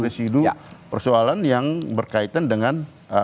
residu persoalan yang berkaitan dengan